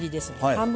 半分。